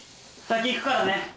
先行くからね。